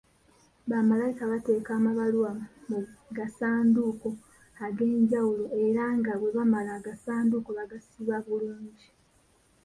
Bamalayika bateeka amabaluwa mu gasanduuko ag’enjawulo era nga bwe bamala agasanduuko bagasiba bulungi.